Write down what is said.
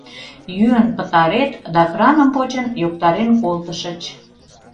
Йӱын пытарет да, краным почын, йоктарен колтышыч.